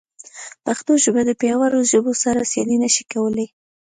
پښتو ژبه د پیاوړو ژبو سره سیالي نه شي کولی.